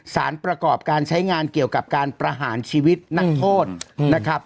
สารประกอบการใช้งานเกี่ยวกับการประหารชีวิตนักโทษนะครับ